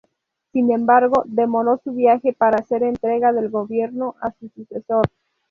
Sin embargo, demoró su viaje para hacer entrega del gobierno a su sucesor.